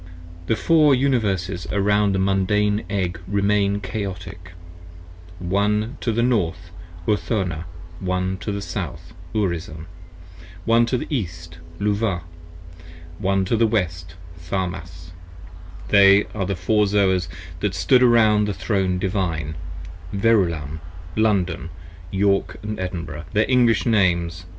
10 For Four Universes round the Mundane Egg remain Chaotic: One to the North, Urthona: One to the South, Urizen: One to the East, Luvah: One to the West, Tharmas: They are the Four Zoas that stood around the Throne Divine : Verulam, London, York & Edinburgh, their English names.